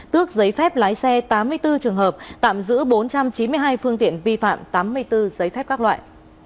tước giấy phép lái xe tám mươi bốn trường hợp tạm giữ bốn trăm chín mươi hai phương tiện vi phạm tám mươi bốn giấy phép các loại